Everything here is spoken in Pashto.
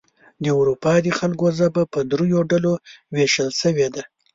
د اروپا د خلکو ژبه په دریو ډلو ویشل شوې ده.